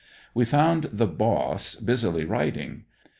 We found the "boss" busily writing.